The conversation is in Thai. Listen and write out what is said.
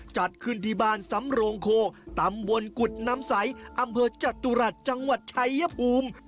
จัดขึ้นที่บ้านสำโรงโคตำบลกุฎน้ำใสอำเภอจตุรัสจังหวัดชายภูมิ